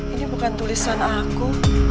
ini bukan tulisan aku